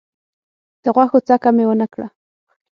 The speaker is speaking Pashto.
د غوښو څکه مي ونه کړه .